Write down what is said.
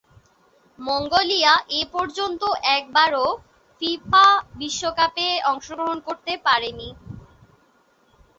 Mongolia এপর্যন্ত একবারও FIFA বিশ্বকাপে অংশগ্রহণ করতে পারেনি।